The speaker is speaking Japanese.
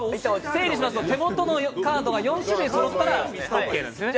整理しますと、手元のカードが４種類そろったらオーケーなんですよね。